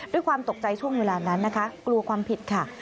ด้วยความตกใจช่วงเวลานั้นนะคะกลัวความผิดค่ะ